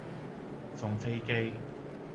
放飛機